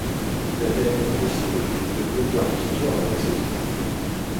Il a gagné aussi le prix de meilleur kicker de la saison.